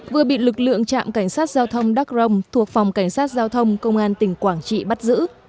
vừa bị lực lượng trạm cảnh sát giao thông đắc rông thuộc phòng cảnh sát giao thông công an tỉnh quảng trị bắt giữ